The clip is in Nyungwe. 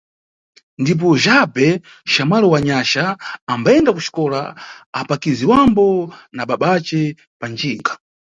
Ndipo Jabhe, xamwali wa Nyaxa, ambayenda kuxikola apakiziwambo na babace panjinga.